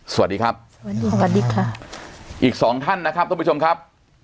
สวัสดีครับสวัสดีค่ะอีกสองท่านนะครับทุกผู้ชมครับ